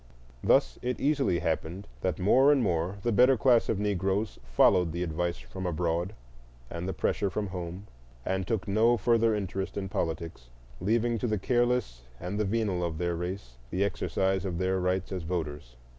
Thus it easily happened that more and more the better class of Negroes followed the advice from abroad and the pressure from home, and took no further interest in politics, leaving to the careless and the venal of their race the exercise of their rights as voters.